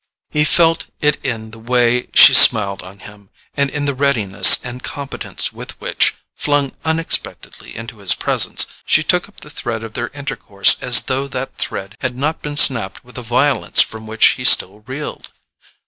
He felt it in the way she smiled on him, and in the readiness and competence with which, flung unexpectedly into his presence, she took up the thread of their intercourse as though that thread had not been snapped with a violence from which he still reeled.